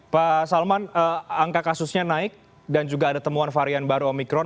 pak salman angka kasusnya naik dan juga ada temuan varian baru omikron